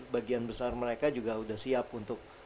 bagian besar mereka juga sudah siap untuk